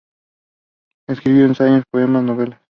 Escribió ensayos, poemas, novelas.